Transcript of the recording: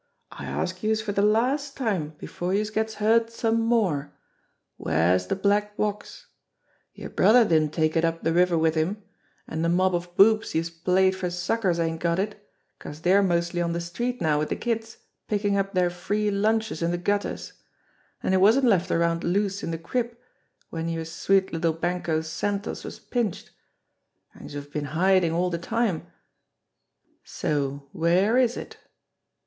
I ask youse for de last time before youse gets hurt some more, where's de black box ? Yer brother didn't take it up de river wid him ; an' de mob of boobs youse played for suckers ain't got it, 'cause dey're mostly on de street now wid de kids pickin' up deir free lunches in de gutters ; an' it wasn't left around loose in de crib w'en yer sweet little Banco Santos was pinched ; an' youse've been hidin' all de time so where is it?"